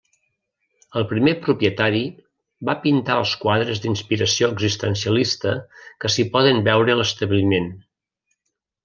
El primer propietari va pintar els quadres d'inspiració existencialista que s'hi poden veure a l'establiment.